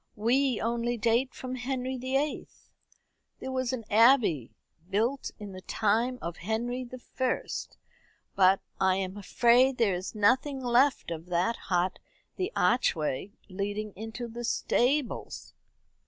"We only date from Henry the Eighth. There was an abbey, built in the time of Henry the First; but I am afraid there is nothing left of that hut the archway leading into the stables."